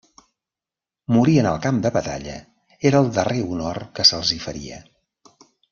Morir en el camp de batalla era el darrer honor que se'ls hi feria.